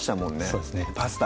そうですね